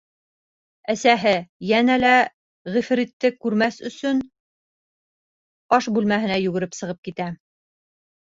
Әсәһе, йәнә лә ғифритте күрмәҫ өсөн, аш бүлмәһенә йүгереп сығып китә.